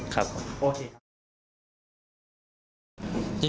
ไปตัวแรก